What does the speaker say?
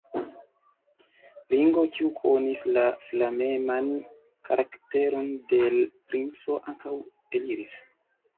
Ringo, kiu konis la flameman karakteron de l' princo, ankaŭ eliris.